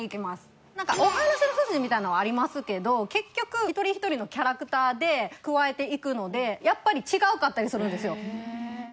お話の筋みたいなのはありますけど結局一人一人のキャラクターで加えていくのでやっぱり違うかったりするんですよ。